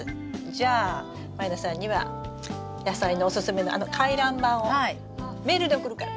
じゃあ満里奈さんには野菜のおすすめのあの回覧板をメールで送るから。